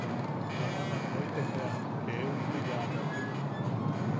Aman am noitek bea jeewi ti bea ameu jiune.